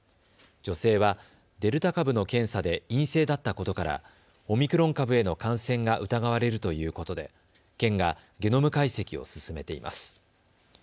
女性はデルタ株の検査で陰性だったことからオミクロン株への感染が疑われるということで県がゲノム解析を進めています。